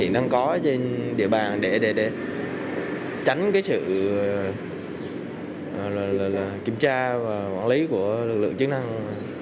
đang có trên địa bàn để tránh sự kiểm tra và quản lý của lực lượng chức năng